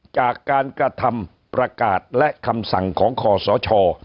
จากการกระทำประกาศและคำสั่งของคอสช